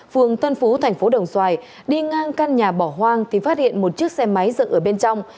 phường tân phú thành phố đồng xoài đi ngang căn nhà bỏ hoang thì phát hiện một chiếc xe máy dựng ở bên trong